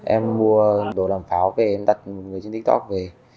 em mua đồ làm pháo về em đặt người trên tiktok về